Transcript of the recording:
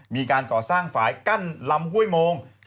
มีการก่อสร้างฝ่ายกั้นลำห้วยโมง